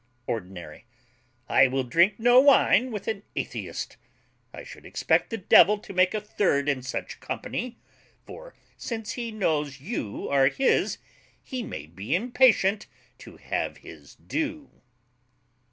ORDINARY. I will drink no wine with an atheist. I should expect the devil to make a third in such company, for, since he knows you are his, he may be impatient to have his due.